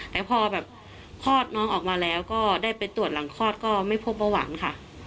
แต่พอแบบคลอดน้องออกมาแล้วก็ได้ไปตรวจหลังคลอดก็ไม่พบเบาหวานค่ะ